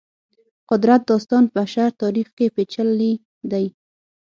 قدرت داستان بشر تاریخ کې پېچلي دی.